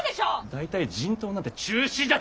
大体人痘なんて中止じゃ！